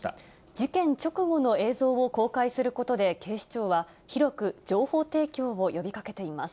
事件直後の映像を公開することで、警視庁は広く情報提供を呼びかけています。